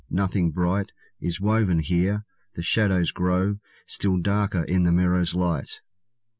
Nothing bright Is woven here: the shadows grow Still darker in the mirror's light!